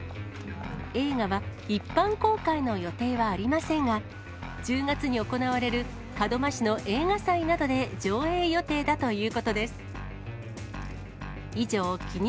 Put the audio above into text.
映画は一般公開の予定はありませんが、１０月に行われる門真市の映画祭などで上映予定だということです。